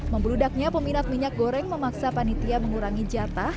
membeludaknya peminat minyak goreng memaksa panitia mengurangi jatah